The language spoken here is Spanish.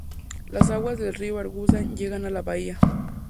La aguas del río Agusan llegan a la bahía.